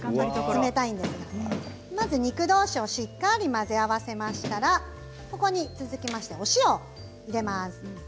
冷たいんですがまず肉どうしをしっかり混ぜ合わせましたらここにお塩を入れます。